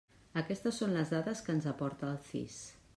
Aquestes són les dades que ens aporta el CIS.